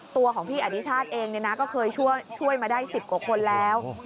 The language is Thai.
ตัวของพี่อธิชาติเองก็เคยช่วยมาได้๑๐กว่าคนแล้ว